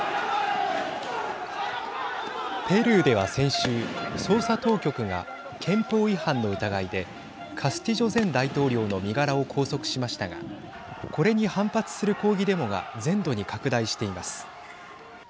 ペルーでは先週、捜査当局が憲法違反の疑いでカスティジョ前大統領の身柄を拘束しましたがこれに反発する抗議デモが全土に拡大しています。